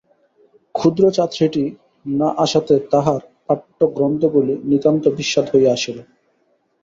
ক্ষুদ্র ছাত্রীটি না আসাতে তাঁহার পাঠ্যগ্রন্থগুলি নিতান্ত বিস্বাদ হইয়া আসিল।